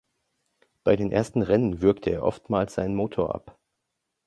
Bei den ersten Rennen würgte er oftmals seinen Motor ab.